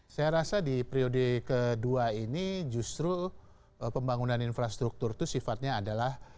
saya rasa di periode kedua ini justru pembangunan infrastruktur itu sifatnya adalah